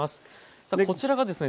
さあこちらがですね